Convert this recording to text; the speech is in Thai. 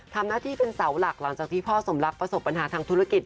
ทำหน้าที่เป็นเสาหลักหลังจากที่พ่อสมรักประสบปัญหาทางธุรกิจ